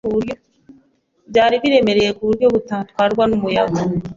byari biremereye kuburyo bitatwarwa numuyaga